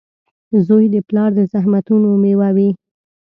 • زوی د پلار د زحمتونو مېوه وي.